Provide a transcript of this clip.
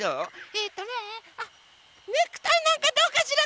えっとねあっネクタイなんかどうかしら？